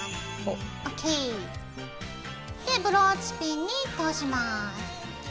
ほっ！ＯＫ！でブローチピンに通します。